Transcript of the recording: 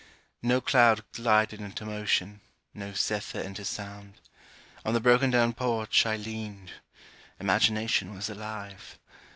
No cloud glided into motion, no zephyr into sound. On the broken down porch, I leaned. Imagination was alive.